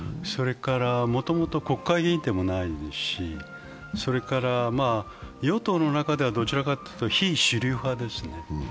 もともと国会議員でもないし、与党の中ではどちらかというと非主流派ですね。